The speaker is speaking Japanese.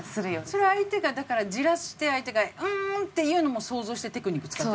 それは相手がだから焦らして相手が「うーん」っていうのも想像してテクニック使ってる？